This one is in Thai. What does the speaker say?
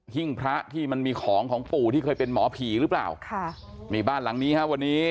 พระที่มันมีของของปู่ที่เคยเป็นหมอผีหรือเปล่าค่ะนี่บ้านหลังนี้ฮะวันนี้